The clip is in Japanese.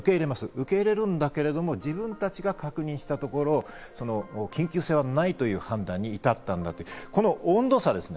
受け入れるんだけど自分たちが確認したところ、緊急性はないという判断に至ったんだと、この温度差ですね。